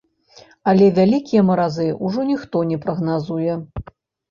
Але вялікія маразы ўжо ніхто не прагназуе.